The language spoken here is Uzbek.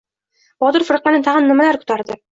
Botir firqani tag‘in nimalar kutardi?